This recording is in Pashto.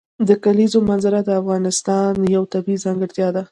د کلیزو منظره د افغانستان یوه طبیعي ځانګړتیا ده.